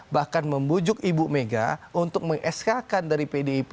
bahkan membujuk ibu mega untuk mengeskakan dari pdip